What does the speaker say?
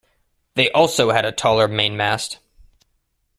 They also had a taller mainmast.